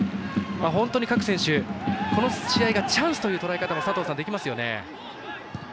本当に各選手、この試合がチャンスというとらえ方もできますよね。